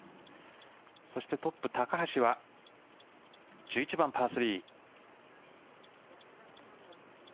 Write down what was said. そしてトップ・高橋は１１番パー３。